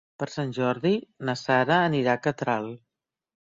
Per Sant Jordi na Sara anirà a Catral.